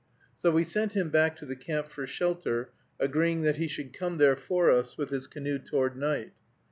So we sent him back to the camp for shelter, agreeing that he should come there for us with his canoe toward night.